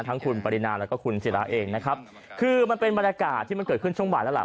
ทั้งคุณปรินาแล้วก็คุณศิราเองนะครับคือมันเป็นบรรยากาศที่มันเกิดขึ้นช่วงบ่ายแล้วล่ะ